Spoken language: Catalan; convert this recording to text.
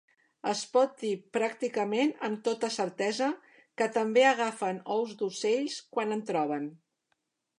Es pot dir pràcticament amb tota certesa que també agafen ous d'ocells quan en troben.